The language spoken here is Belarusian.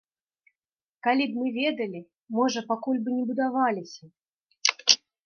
Калі б мы ведалі, можа, пакуль бы не будаваліся.